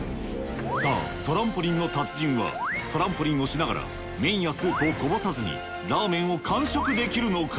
さぁトランポリンの達人はトランポリンをしながら麺やスープをこぼさずにラーメンを完食できるのか？